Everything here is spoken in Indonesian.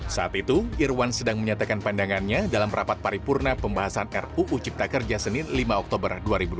saat itu irwan sedang menyatakan pandangannya dalam rapat paripurna pembahasan ruu cipta kerja senin lima oktober dua ribu dua puluh